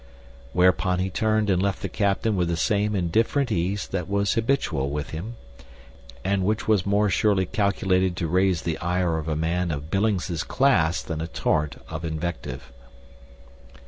Whereupon he turned and left the captain with the same indifferent ease that was habitual with him, and which was more surely calculated to raise the ire of a man of Billings' class than a torrent of invective.